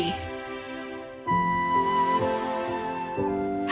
koko menemukan bintang jatuh